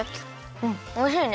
うんおいしいね。